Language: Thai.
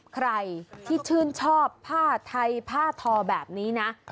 ใครที่ชื่นชอบผ้าไทยผ้าทอแบบนี้นะ